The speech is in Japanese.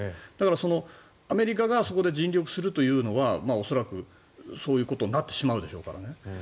だから、アメリカがそこで尽力するというのは恐らくそういうことになってしまうでしょうからね。